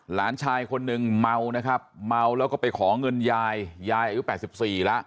หลานชายคนหนึ่งเมานะครับเมาแล้วก็ไปขอเงินยายยายอายุ๘๔แล้ว